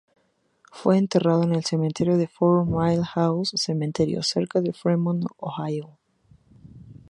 Fue enterrado en el cementerio de Four-Mile House cementerio, cerca de Fremont, Ohio.